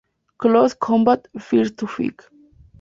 Close Combat: First to Fight